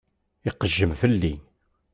Iqejjem fell-i.